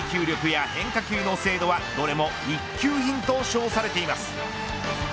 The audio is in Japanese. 制球力や変化球の精度はどれも一級品と称されています。